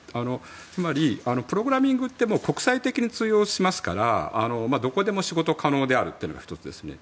つまり、プログラミングって国際的に通用しますからどこでも仕事が可能であるのが１つですね。